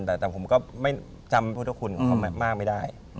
แต่ผมก็ไม่จำพุทธคุณของเขามากไม่ได้